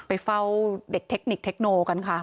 ไปเฝ้าเด็กเทคนิคเทคโนกันค่ะ